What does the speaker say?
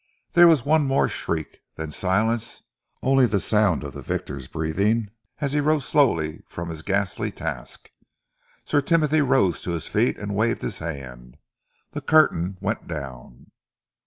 There was one more shriek then silence only the sound of the victor's breathing as he rose slowly from his ghastly task. Sir Timothy rose to his feet and waved his hand. The curtain went down.